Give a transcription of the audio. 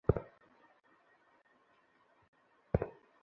দাবি আদায়ে আলোচনার আশ্বাসে কর্মসূচি তিন দিনের জন্য স্থগিত রাখা হয়েছে।